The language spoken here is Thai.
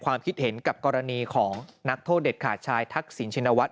ความคิดเห็นกับกรณีของนักโทษเด็ดขาดชายทักษิณชินวัฒ